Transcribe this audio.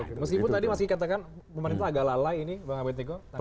meskipun tadi masih dikatakan pemerintah agak lalai ini bang abed neko